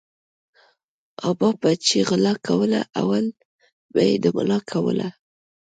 ابا به چی غلا کوله اول به یی د ملا کوله